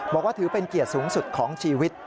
บอกว่าถือเป็นเกียรติสูงสุดของชีวิต